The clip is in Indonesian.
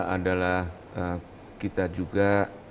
adalah kita juga